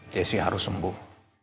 jesse harus sembuh